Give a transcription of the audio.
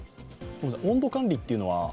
温度管理っていうのは？